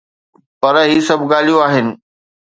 پر هي سڀ ڳالهيون آهن.